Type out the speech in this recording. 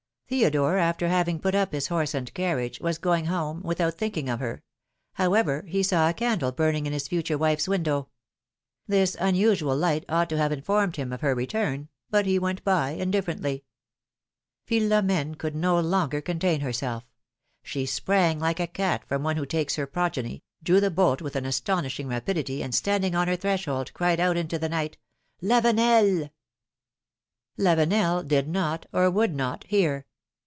Theodore, after having put up his horse and carriage, was going home without think ing of her ; however, he saw a candle burning in his future wife's window. This unusual light ought to have in formed him of her return ; but he went by, indiiferently. Philomene could no longer contain herself. She sprang like a cat from whom one takes her progeny, drew the bolt with an astonishing rapidity, and standing on her threshold, cried out into the night: Lavenel !" 296 PHIIX)M^]NE's marriages. Lavenel did not, or would not, hear.